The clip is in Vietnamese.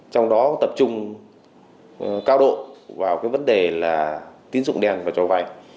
trong đó tập trung cao độ vào cái vấn đề là tín dụng đen và cho vay